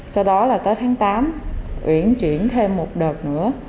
sau đó là tới tháng tám uyển chuyển thêm một đợt nữa